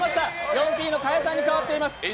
４Ｐの賀屋さんに代わっています。